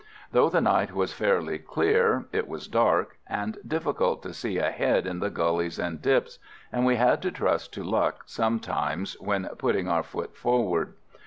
Though the night was fairly clear it was dark, and difficult to see ahead in the gullies and dips, and we had to trust to luck sometimes when putting our foot forward.